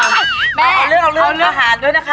เอาเรื่องอาหารด้วยนะคะ